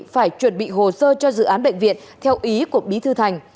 phải chuẩn bị hồ sơ cho dự án bệnh viện theo ý của bí thư thành